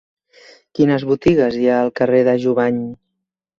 Quines botigues hi ha al carrer de Jubany?